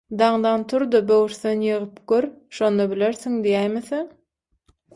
Daňdan tur-da böwürslen ýygyp gör şonda bilersiň diýäýmeseň...